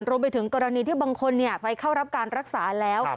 รวมไปถึงกรณีที่บางคนไปเข้ารับการรักษาแล้ว